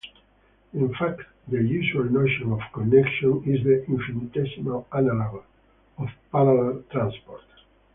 In fact, the usual notion of connection is the infinitesimal analog of parallel transport.